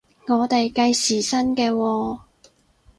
我哋計時薪嘅喎？